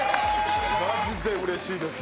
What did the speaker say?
マジでうれしいです！